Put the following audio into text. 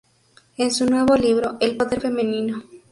En su nuevo libro, “El poder femenino.